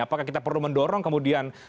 apakah kita perlu mendorong kemudian